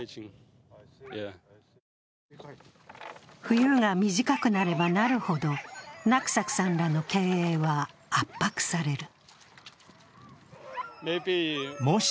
冬が短くなればなるほど、ナクサクさんらの経営は圧迫される。